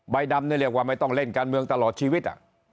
ดำนี่เรียกว่าไม่ต้องเล่นการเมืองตลอดชีวิต